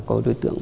có đối tượng